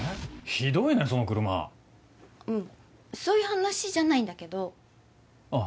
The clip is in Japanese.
ひどいねその車うんそういう話じゃないんだけどあぁ